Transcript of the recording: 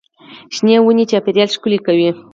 شنې ونې چاپېریال ښکلی کوي.